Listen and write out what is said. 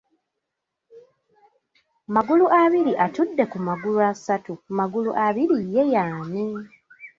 Magulu abiri atudde ku “magulu” asatu. Magulu abiri ye ani?